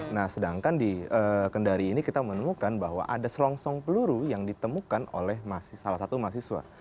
nah sedangkan di kendari ini kita menemukan bahwa ada selongsong peluru yang ditemukan oleh salah satu mahasiswa